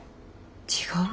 違う？